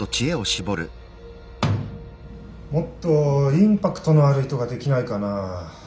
もっとインパクトのある糸ができないかなぁ。